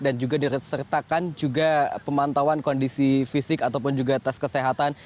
dan juga disertakan juga pemantauan kondisi fisik ataupun juga tes kesehatan